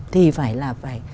thì phải là phải